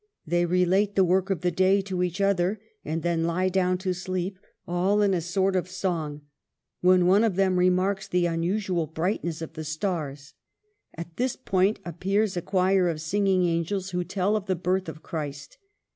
They relate the work of the day to each other and then lie down to sleep, — all in a sort of song, — when one of them remarks the unusual brightness of the stars. At this point appears a choir of sing ing angels who tell of the birth of Christ.